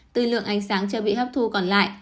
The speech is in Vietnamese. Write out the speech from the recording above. tư lượng ánh sáng chưa bị hấp thu còn lại